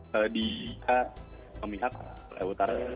kita memihak korea utara